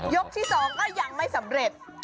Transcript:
ยกที่สองก็ยังไม่สำเร็จ